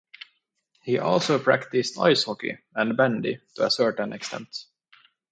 He also practised ice hockey and bandy to a certain extent.